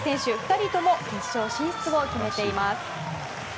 ２人とも決勝進出を決めています。